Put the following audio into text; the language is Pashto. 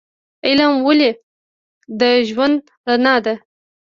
علم ولې د ژوند رڼا ده؟